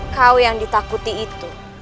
kau yang ditakuti itu